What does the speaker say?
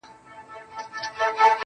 نفیب ټول ژوند د غُلامانو په رکم نیسې~